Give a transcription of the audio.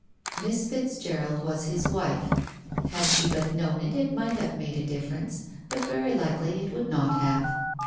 Miss Fitzgerald was his wife ; had she but known it, it might have made a difference, but very likely it would not have.